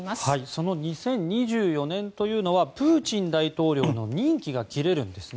その２０２４年というのはプーチン大統領の任期が切れるんです。